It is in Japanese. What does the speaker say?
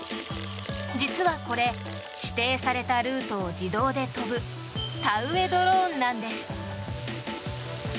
実はこれ、指定されたルートを自動で飛ぶ田植えドローンなんです。